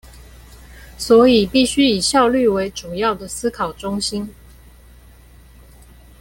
所以必須以效率為主要的思考中心